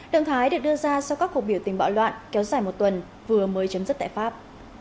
động thái được đưa ra sau các cuộc biểu tình bạo loạn kéo dài một tuần vừa mới chấm dứt tại pháp